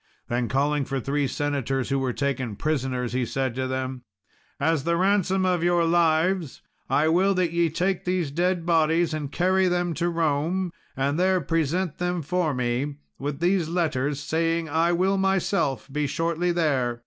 Then calling for three senators who were taken prisoners, he said to them, "As the ransom of your lives, I will that ye take these dead bodies and carry them to Rome, and there present them for me, with these letters saying I will myself be shortly there.